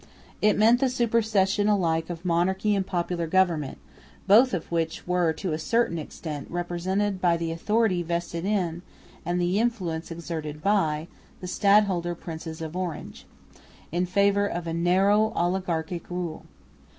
It meant the supersession alike of monarchy and popular government, both of which were to a certain extent represented by the authority vested in, and the influence exerted by, the stadholder princes of Orange, in favour of a narrow oligarchic rule.